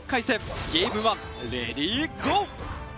ゲーム１レディーゴー。